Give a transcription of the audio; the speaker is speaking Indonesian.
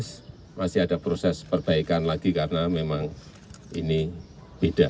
untuk u tujuh belas masih ada proses perbaikan lagi karena memang ini beda